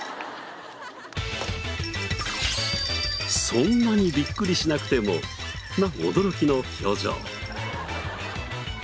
そんなにビックリしなくてもな驚きの表情。